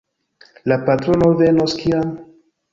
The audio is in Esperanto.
La patrono venos kiam?